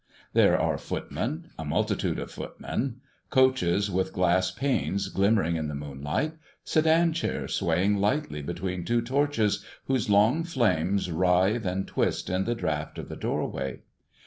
There are footmen, a multitude of footmen, coaches with glass panes glimmering in the moonlight, sedan chairs swaying lightly between two torches whose long flames writhe and twist in the draught of the doorway.